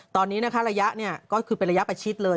ตอนนี้นะคะระยะก็คือเป็นระยะประชิดเลย